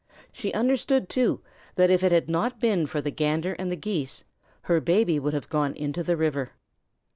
She understood, too, that if it had not been for the Gander and the Geese, her Baby would have gone into the river.